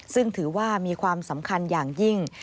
ซึ่งถือว่ามีความสำคัญอย่างยิ่ง